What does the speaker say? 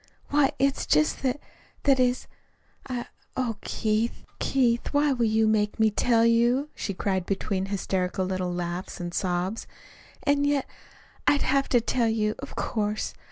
"Why, it's just that that is I oh, Keith, Keith, why will you make me tell you?" she cried between hysterical little laughs and sobs. "And yet I'd have to tell you, of course.